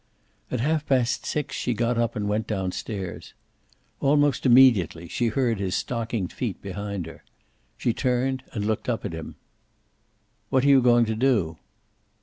At half past six she got up and went down stairs. Almost immediately she heard his stockinged feet behind her. She turned and looked up at him. "What are you going to do?"